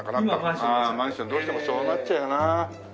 ああマンションどうしてもそうなっちゃうよな。